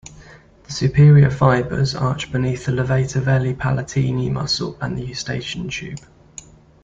The superior fibers arch beneath the levator veli palatini muscle and the Eustachian tube.